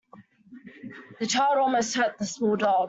The child almost hurt the small dog.